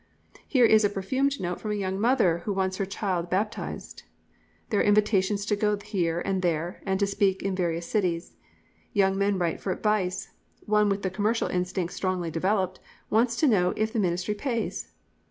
Here is a perfumed note from a young mother who wants her child baptised. There are invitations to go here and there, and to speak in various cities. Young men write for advice: One with the commercial instinct strongly developed, wants to know if the ministry pays?